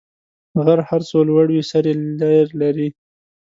غر هر څو لوړ وي، سر یې لېر لري.